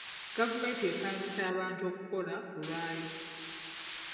Gavumenti epangisa abantu okukola ku lwayo.